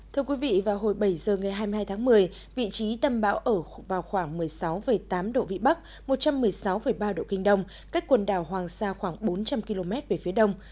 thưa quý vị vào hồi bảy giờ ngày hai mươi hai tháng một mươi vị trí tâm bão ở vào khoảng một mươi sáu tám độ vĩ bắc một trăm một mươi sáu ba độ kinh đông cách quần đảo hoàng sa khoảng bốn trăm linh km về phía đông